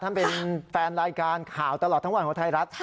ท่านเป็นแฟนรายการข่าวตลอดทั้งวันของไทยรัฐ